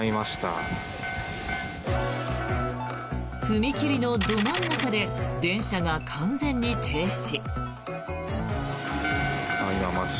踏切のど真ん中で電車が完全に停止。